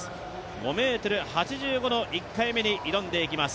５ｍ８５の１回目に挑んでいきます。